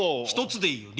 １つでいいよ